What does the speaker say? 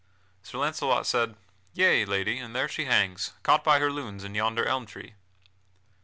Sir Launcelot said: "Yea, Lady, and there she hangs, caught by her lunes in yonder elm tree."